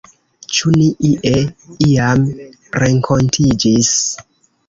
Ĉu ni ie, iam renkontiĝis?